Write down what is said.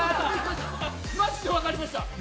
◆マジでわかりました。